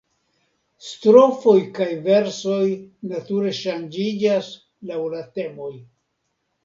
Strofoj kaj versoj nature ŝanĝiĝas laŭ la temoj.